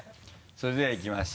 それではいきます